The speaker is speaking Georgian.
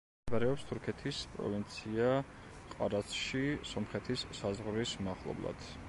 მდებარეობს თურქეთის პროვინცია ყარსში, სომხეთის საზღვრის მახლობლად.